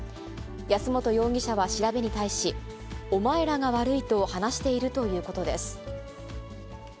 安本容疑者は調べに対し、お前らが悪いと話しているということです。